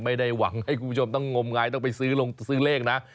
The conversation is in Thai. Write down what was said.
ไม่ได้หวังให้คุณผู้ชมต้องงมงายต้องไปซื้อลงซื้อเลขนะ